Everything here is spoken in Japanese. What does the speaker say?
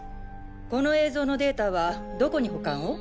この映像のデータはどこに保管を？